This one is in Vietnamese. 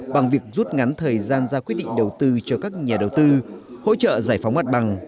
bằng việc rút ngắn thời gian ra quyết định đầu tư cho các nhà đầu tư hỗ trợ giải phóng mặt bằng